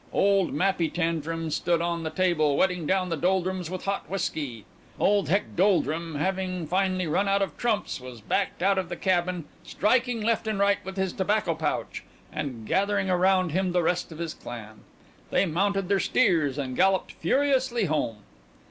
Old Mappy Tantrum stood on the table wetting down the Doldrums with hot whiskey. Old Heck Doldrum, having finally run out of trumps, was backed out of the cabin, striking left and right with his tobacco pouch, and gathering around him the rest of his clan. Then they mounted their steers and galloped furiously home.